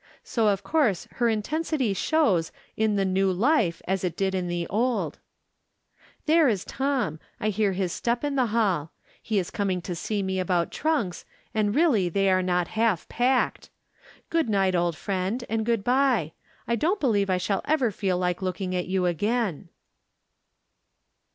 So of course her intensity shows in the new life as it did in the old. There is Tom ; I hear his step in the hall ; he is coming to see about trunks, and really they are not half packed. Good night, old friend, and good by. I don't believe I shall ever feel like looking at you again.